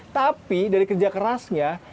tapi dari kerja kerasnya